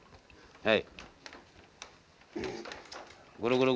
はい。